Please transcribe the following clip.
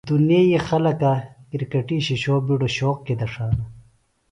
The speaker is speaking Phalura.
دُنیئی خلکہ کرکٹی شِشو بِیڈیۡ شوق کیۡ دڇھانہ۔